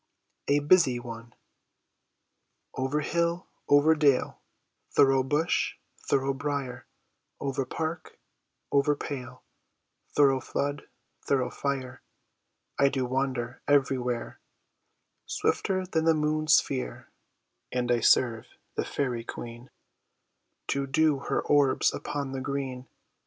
A Busy One Over hill, over dale, Thorough bush, thorough brier, Over park, over pale, Thorough flood, thorough fire, I do wander everywhere, Swifter than the moonè's sphere; And I serve the fairy queen, To dew her orbs upon the green.